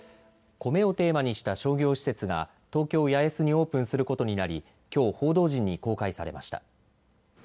コメをテーマにした商業施設が東京八重洲にオープンすることになり、きょう報道陣に公開されました。